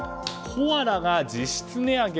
コアラが実質値上げ。